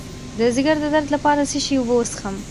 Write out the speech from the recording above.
د ځیګر د درد لپاره د څه شي اوبه وڅښم؟